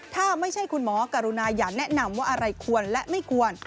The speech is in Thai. ถ้าไม่ใช่คุณหมอกรุณาอย่าแนะนำว่าอะไรควรและไม่ควร